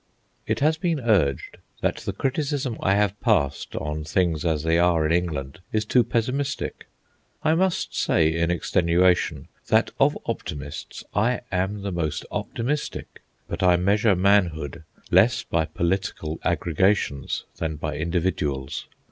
It has been urged that the criticism I have passed on things as they are in England is too pessimistic. I must say, in extenuation, that of optimists I am the most optimistic. But I measure manhood less by political aggregations than by individuals.